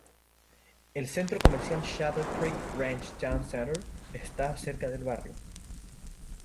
El centro comercial Shadow Creek Ranch Town Center está cerca del barrio.